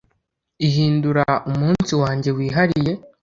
ihindura umunsi wanjye wihariye